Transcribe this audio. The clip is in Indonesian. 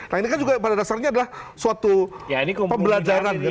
nah ini kan juga pada dasarnya adalah suatu pembelajaran